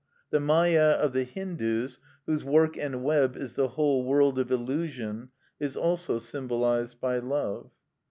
The Mâya of the Hindus, whose work and web is the whole world of illusion, is also symbolised by love.